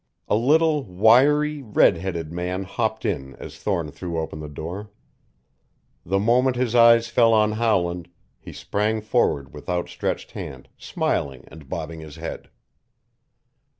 A little, wiry, red headed man hopped in as Thorne threw open the door. The moment his eyes fell on Howland he sprang forward with outstretched hand, smiling and bobbing his head.